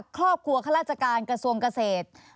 ครอบครัวข้าราชการกระทรวงเกษตร